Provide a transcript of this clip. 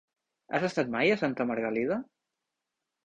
Has estat mai a Santa Margalida?